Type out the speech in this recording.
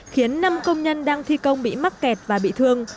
khiến năm công nhân đang thi công bị mắc kẹt và bị thương